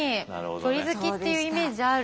鳥好きっていうイメージある。